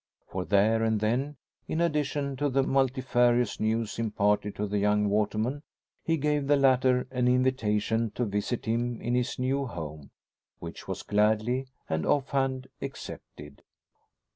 For there and then, in addition to the multifarious news imparted to the young waterman, he gave the latter an invitation to visit him in his new home; which was gladly and off hand accepted.